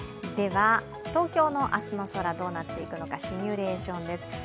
東京の明日の空どうなっていくのか、シミュレーションです。